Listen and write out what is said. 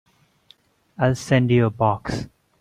I'll send you a box.